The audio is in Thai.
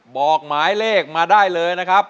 บอกหมายเลขมาได้เลยนะครับ